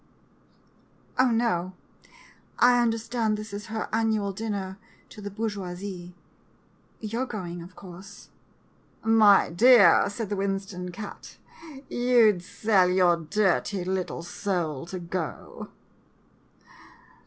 Oh, no — I understand this is her annual duty dinner to the bourgeoisie — you 're going, of course." "My dear," said the Winston cat, " you 'd sell your dirty little soul to go